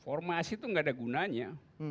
formasi itu nggak ada gunanya